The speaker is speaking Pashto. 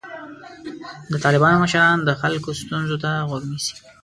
د طالبانو مشران د خلکو ستونزو ته غوږ نیسي.